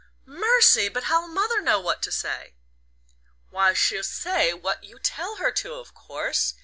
"Mercy! But how'll mother know what to say?" "Why, she'll say what you tell her to, of course.